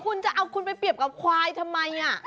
คุณจะเอาคุณไปเปรียบกับควายทำไม